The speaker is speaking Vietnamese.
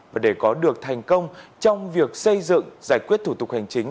và để có được thành công trong việc xây dựng giải quyết thủ tục hành chính